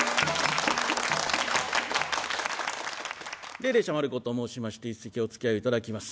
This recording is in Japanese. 鈴々舎馬ること申しまして一席おつきあいをいただきます。